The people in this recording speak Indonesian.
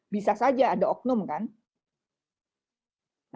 bisa saja ada oknum kan